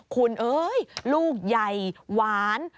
คุณเอ้ยลูกใหญ่หวาน